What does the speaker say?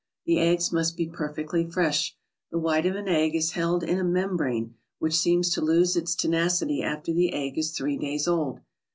The eggs must be perfectly fresh. The white of an egg is held in a membrane which seems to lose its tenacity after the egg is three days old.